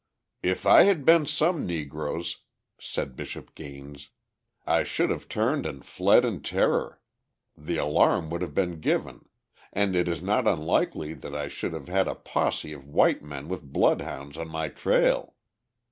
"If I had been some Negroes," said Bishop Gaines, "I should have turned and fled in terror; the alarm would have been given, and it is not unlikely that I should have had a posse of white men with bloodhounds on my trail.